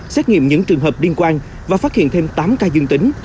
xét nghiệm những trường hợp liên quan và phát hiện thêm tám ca dương tính